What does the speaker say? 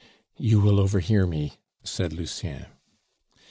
"You will overhear me," said Lucien.